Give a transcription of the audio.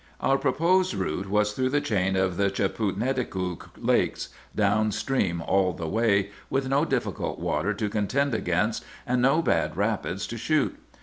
"Our proposed route was through the chain of the Chiputneticook Lakes, down stream all the way, with no difficult water to contend against, and no bad rapids to shoot.